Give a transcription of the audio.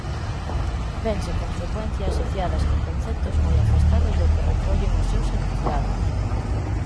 Vense con frecuencia asociadas con conceptos moi afastados do que recollen os seus enunciados.